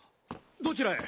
どちらへ？